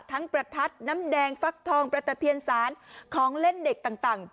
ประทัดน้ำแดงฟักทองประตะเพียนสารของเล่นเด็กต่าง